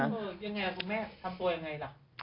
ยังไงล่ะครูแม่ทำตัวยังไงล่ะ